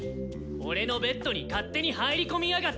俺のベッドに勝手に入り込みやがって！